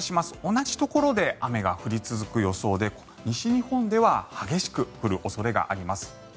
同じところで雨が降り続く予想で西日本では激しく降る恐れがあります。